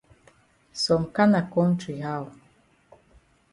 Some kana kontry how?